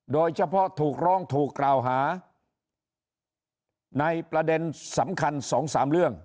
โดยเฉพาะถูกร้องถูกกล่าวหาในประเด็นสำคัญสองสามเรื่อง